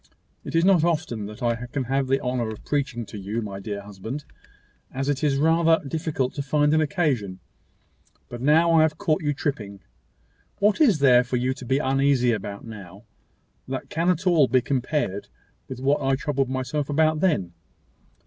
It is not often that I can have the honour of preaching to you, my dear husband, as it is rather difficult to find an occasion; but now I have caught you tripping. What is there for you to be uneasy about now, that can at all be compared with what I troubled myself about then?